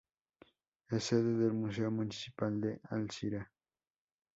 Es sede del Museo Municipal de Alcira.